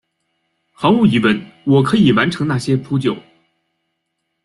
毫无疑问我可以完成那些扑救！